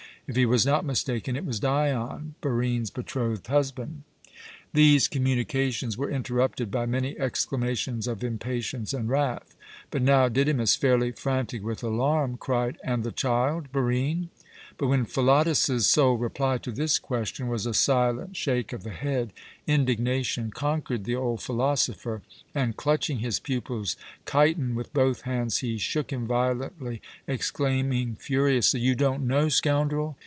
If he was not mistaken it was Dion, Barine's betrothed husband. These communications were interrupted by many exclamations of impatience and wrath; but now Didymus, fairly frantic with alarm, cried: "And the child Barine?" But when Philotas's sole reply to this question was a silent shake of the head, indignation conquered the old philosopher, and clutching his pupil's chiton with both hands, he shook him violently, exclaiming furiously: "You don't know, scoundrel?